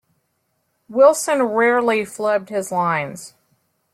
Wilson rarely flubbed his lines.